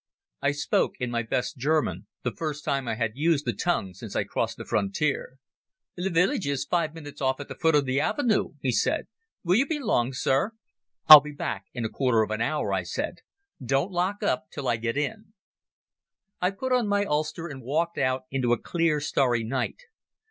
I spoke in my best German, the first time I had used the tongue since I crossed the frontier. "The village is five minutes off at the foot of the avenue," he said. "Will you be long, sir?" "I'll be back in a quarter of an hour," I said. "Don't lock up till I get in." I put on my ulster and walked out into a clear starry night.